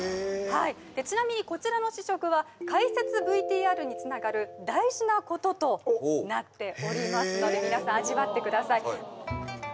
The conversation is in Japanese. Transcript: はいちなみにこちらの試食は解説ＶＴＲにつながる大事なこととなっておりますのでへえ皆さん味わってください